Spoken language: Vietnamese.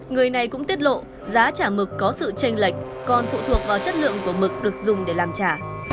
người này cũng tiết lộ giá chả mực có sự tranh lệch còn phụ thuộc vào chất lượng của mực được dùng để làm trả